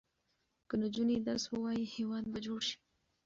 که نجونې درس ووايي، هېواد به جوړ شي.